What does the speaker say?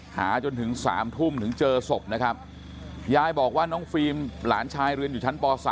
หาจนถึง๓ทุ่มถึงเจอศพนะครับยายบอกว่าน้องฟิล์มหลานชายเรียนอยู่ชั้นป๓